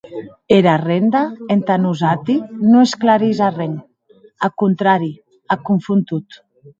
Era renda, entà nosati, non esclarís arren; ath contrari, ac confon tot.